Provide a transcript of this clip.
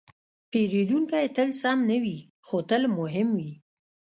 پیرودونکی تل سم نه وي، خو تل مهم وي.